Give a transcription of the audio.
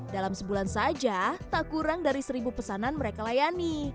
dalam sebulan saja tak kurang dari seribu pesanan mereka layani